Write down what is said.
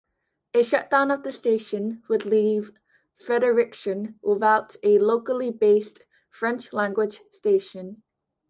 A shutdown of the station would leave Fredericton without a locally based French-language station.